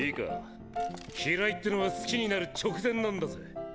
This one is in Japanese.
「嫌い」ってのは好きになる直前なんだぜぜ。